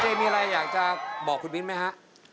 มีอะไรอยากจะบอกคุณมิ้นไหมฮะ